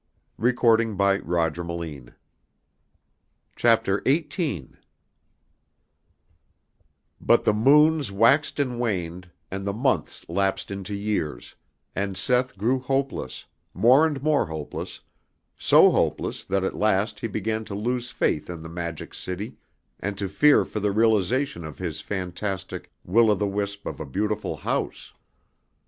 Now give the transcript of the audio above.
Reverently he kissed away the tear. CHAPTER XVIII. But the moons waxed and waned and the months lapsed into years and Seth grew hopeless, more and more hopeless, so hopeless that at last he began to lose faith in the Magic City, and to fear for the realization of his fantastic will o' the wisp of a beautiful house.